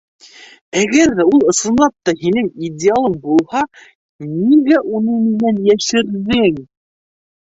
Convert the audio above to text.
Әгәр ҙә ул ысынлап та һинең идеалың булһа, нигә уны минән йәшерҙең?!